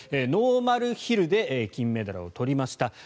ノーマルヒルで金メダルを取りました。